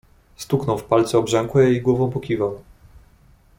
"Stuknął w palce obrzękłe i głową pokiwał."